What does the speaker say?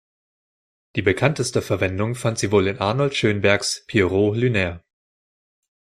Die bekannteste Verwendung fand sie wohl in Arnold Schönbergs "Pierrot Lunaire".